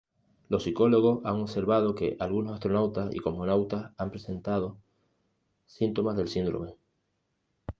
Los psicólogos han observado que algunos astronautas y cosmonautas han presentado síntomas del síndrome.